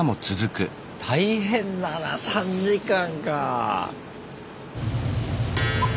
大変だな３時間か。